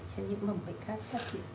trên những mầm bệnh khác